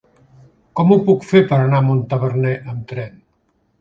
Com ho puc fer per anar a Montaverner amb tren?